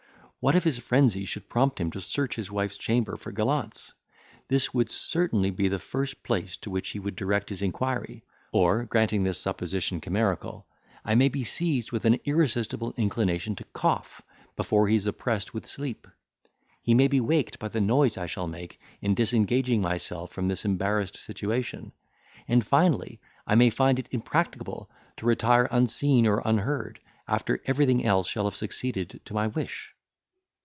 What if his frenzy should prompt him to search his wife's chamber for gallants? this would certainly be the first place to which he would direct his inquiry; or, granting this supposition chimerical, I may be seized with an irresistible inclination to cough, before he is oppressed with sleep; he may be waked by the noise I shall make in disengaging myself from this embarrassed situation; and, finally, I may find it impracticable to retire unseen or unheard, after everything else shall have succeeded to my wish."